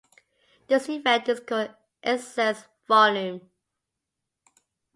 This effect is called "excess volume".